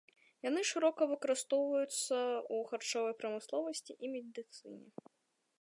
Яны шырока выкарыстоўваюцца ў харчовай прамысловасці і медыцыне.